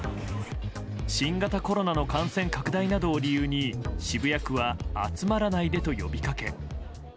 新型コロナの感染拡大などを理由に渋谷区は集まらないでと呼びかけ。